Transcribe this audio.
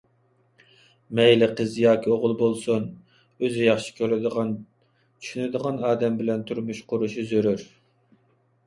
مەيلى قىز ياكى ئوغۇل بولسۇن، ئۆزى ياخشى كۆرىدىغان، چۈشىنىدىغان ئادەم بىلەن تۇرمۇش قۇرۇشى زۆرۈر.